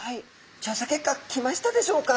調査結果来ましたでしょうか？